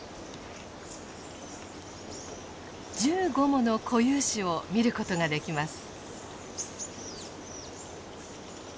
１５もの固有種を見ることができます。